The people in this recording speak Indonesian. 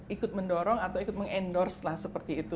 ikut mendorong atau ikut meng endorse lah seperti itu